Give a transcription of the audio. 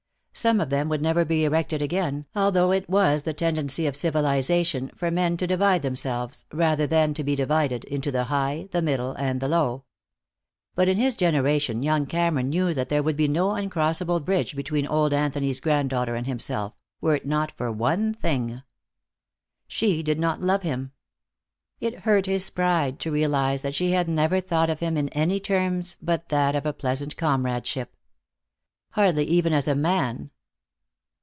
Some of them would never be erected again, although it was the tendency of civilization for men to divide themselves, rather than to be divided, into the high, the middle and the low. But in his generation young Cameron knew that there would be no uncrossable bridge between old Anthony's granddaughter and himself, were it not for one thing. She did not love him. It hurt his pride to realize that she had never thought of him in any terms but that of a pleasant comradeship. Hardly even as a man.